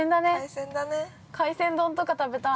◆海鮮丼とか食べたい。